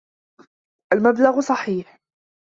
المبلغ صحيح.